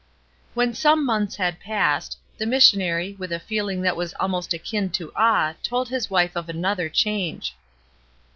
When some months had passed, the mis sionary with a feeling that was almost akin to awe told his wife of another change.